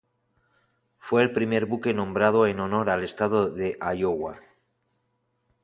Fue el primer buque nombrado en honor al estado de Iowa.